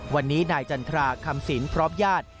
วันนี้นายจันทราคำสินพร้อมญาติ